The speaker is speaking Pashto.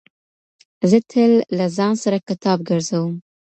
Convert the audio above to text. زه تل له ځان سره کتاب ګرځوم.